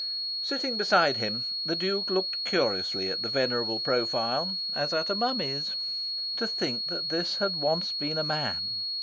Sitting beside him, the Duke looked curiously at the venerable profile, as at a mummy's. To think that this had once been a man!